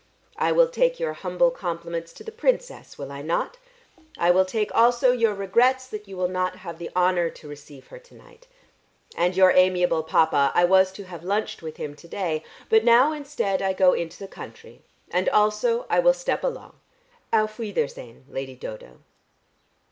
I will take your humble compliments to the Princess, will I not? I will take also your regrets that you will not have the honour to receive her to night. And your amiable Papa; I was to have lunched with him to day, but now instead I go into the country. And also, I will step along. Auf wiedersehen, Lady Dodo."